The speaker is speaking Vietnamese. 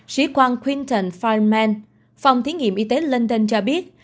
sĩ quan quinton feynman phòng thí nghiệm y tế london cho biết